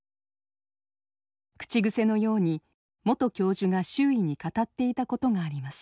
口癖のように元教授が周囲に語っていたことがあります。